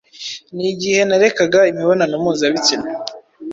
ni igihe narekaga imibonano mpuzabitsina